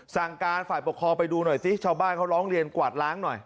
สั่งการฝ่ายปกครองไปดูหน่อยสิชาวบ้านเขาร้องเรียนกวาดล้างหน่อย